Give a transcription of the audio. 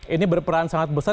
ini berperan sangat besar